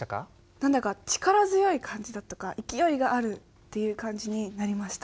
何だか力強い感じだとか勢いがあるっていう感じになりました。